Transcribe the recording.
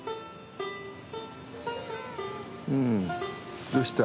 うんどうした。